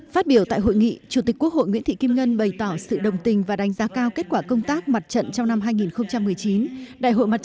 phát biểu tại hội nghị chủ tịch quốc hội nguyễn thị kim ngân bày tỏ sự đồng tình và đánh giá cao kết quả công tác mặt trận trong năm hai nghìn một mươi chín